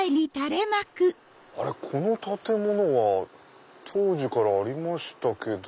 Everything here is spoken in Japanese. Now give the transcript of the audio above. この建物は当時からありましたけど。